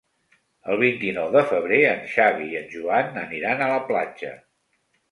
El vint-i-nou de febrer en Xavi i en Joan aniran a la platja.